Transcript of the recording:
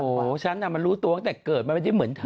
โอ้โหฉันน่ะมันรู้ตัวตั้งแต่เกิดมันไม่ได้เหมือนเธอ